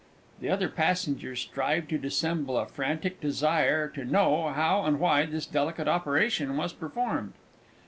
[_The other passengers strive to dissemble a frantic desire to know how and why this delicate operation was performed.